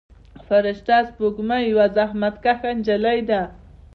فرشته سپوږمۍ یوه زحمت کشه نجلۍ ده.